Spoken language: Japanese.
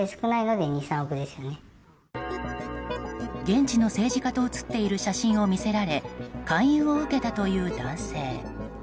現地の政治家と写っている写真を見せられ勧誘を受けたという男性。